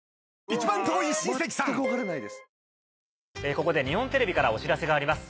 ここで日本テレビからお知らせがあります。